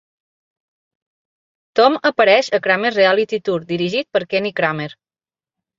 Tom apareix a "Kramer's Reality Tour" dirigit per Kenny Kramer.